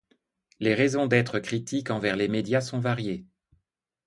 Les raisons d'être critique envers les médias sont variées.